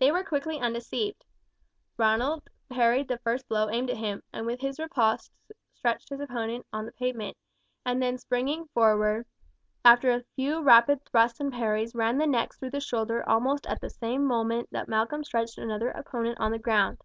They were quickly undeceived. Ronald parried the first blow aimed at him, and with his riposte stretched his opponent on the pavement, and then springing forward, after a few rapid thrusts and parries ran the next through the shoulder almost at the same moment that Malcolm stretched another opponent on the ground.